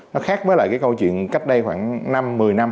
nó khác với câu chuyện cách đây khoảng năm một mươi năm